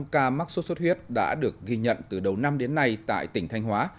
năm ca mắc sốt xuất huyết đã được ghi nhận từ đầu năm đến nay tại tỉnh thanh hóa